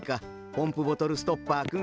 ポンプボトルストッパーくん。